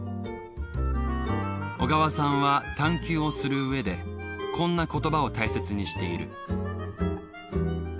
小川さんは探究をするうえでこんな言葉を大切にしている。